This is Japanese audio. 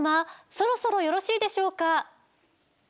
そろそろよろしいでしょうか？